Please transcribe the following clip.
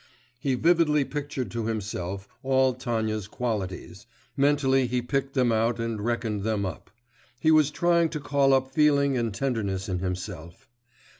He vividly pictured to himself all Tanya's qualities, mentally he picked them out and reckoned them up; he was trying to call up feeling and tenderness in himself.